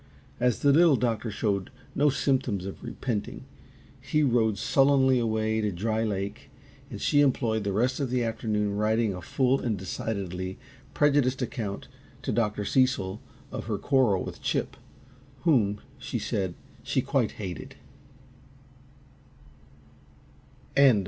As the Little Doctor showed no symptoms of repenting, he rode sullenly away to Dry Lake, and she employed the rest of the afternoon writing a full and decidedly prejudiced account to Dr. Cecil of her quarrel with Chip, whom, she said, she quite hated.